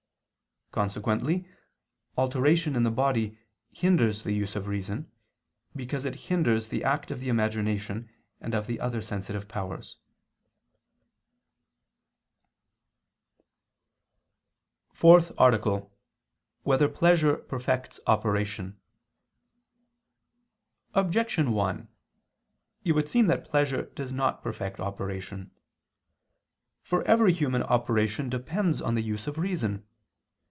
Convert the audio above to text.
Consequently alteration in the body hinders the use of reason, because it hinders the act of the imagination and of the other sensitive powers. ________________________ FOURTH ARTICLE [I II, Q. 33, Art. 4] Whether Pleasure Perfects Operation? Objection 1: It would seem that pleasure does not perfect operation. For every human operation depends on the use of reason.